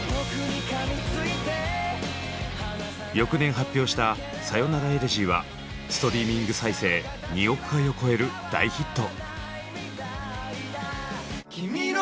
翌年発表した「さよならエレジー」はストリーミング再生２億回を超える大ヒット。